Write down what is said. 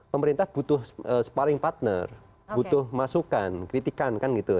pemerintah butuh sparring partner butuh masukan kritikan kan gitu